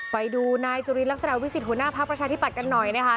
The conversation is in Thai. ไปดูนายจุลินลักษณะวิสิทธิหัวหน้าพักประชาธิบัตย์กันหน่อยนะคะ